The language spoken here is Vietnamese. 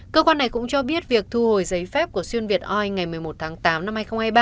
cơ quan này cũng cho biết việc thu hồi giấy phép của xuyên việt oi ngày một mươi một tháng tám năm hai nghìn hai mươi ba